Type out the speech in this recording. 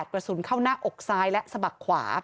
กระสุนเข้าหน้าอกซ้ายและสะบักขวา